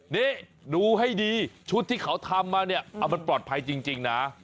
นี่ดูให้ดีชุดที่เขาทำมาเนี่ยเอามันปลอดภัยจริงนะ